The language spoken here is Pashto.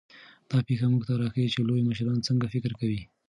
دا پېښه موږ ته راښيي چې لوی مشران څنګه فکر کوي.